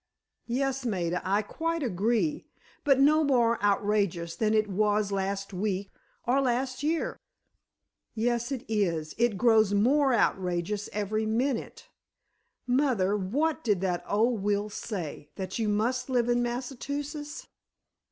"Yes, Maida, I quite agree—but no more outrageous than it was last week—or last year." "Yes, it is! It grows more outrageous every minute! Mother, what did that old will say? That you must live in Massachusetts?"